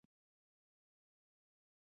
دواړه د پيسو سپي دي.